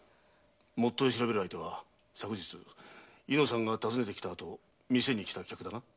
元結を調べる相手は昨日猪之さんが訪ねてきたあと店に来た客だな？